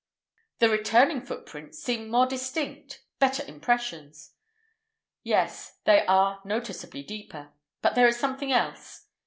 "The returning footprints seem more distinct—better impressions." "Yes; they are noticeably deeper. But there is something else."